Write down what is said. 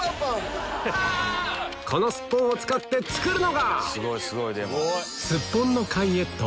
このスッポンを使って作るのが！